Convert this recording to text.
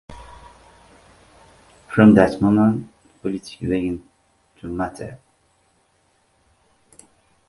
From that moment, politics began to matter.